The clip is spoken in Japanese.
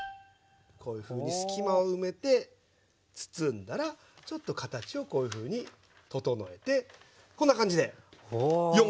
こういうふうに隙間を埋めて包んだらちょっと形をこういうふうに整えてこんな感じで４コ包んで下さい。